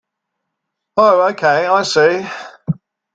Oh okay, I see.